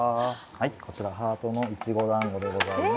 こちらハートのいちごだんごでございます。